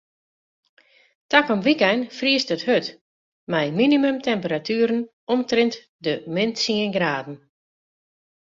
Takom wykein friest it hurd mei minimumtemperatueren omtrint de min tsien graden.